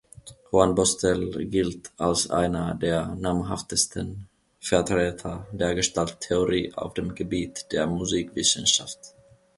Hornbostel gilt als einer der namhaftesten Vertreter der Gestalttheorie auf dem Gebiet der Musikwissenschaft.